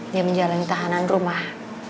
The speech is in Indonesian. dia menjalani tahanan rumah